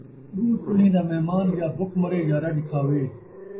ݙو چلھیں دا مہمان یا بکھ مرے یا رڄ کھاوے